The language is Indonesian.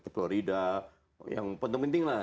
florida yang penting penting lah